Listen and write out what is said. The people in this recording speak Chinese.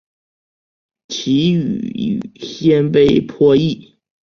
其语与鲜卑颇异。